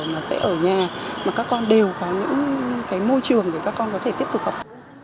mà sẽ ở nhà mà các con đều có những cái môi trường để các con có thể tiếp tục học